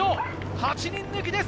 ８人抜きです。